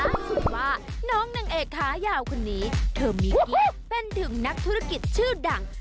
สุดว่าน้องนางเอกขายาวคนนี้เธอมีกิ๊กเป็นถึงนักธุรกิจชื่อดัง